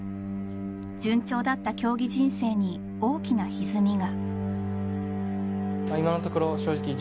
順調だった競技人生に大きなひずみが。